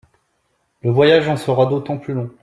Le voyage en sera d’autant plus long.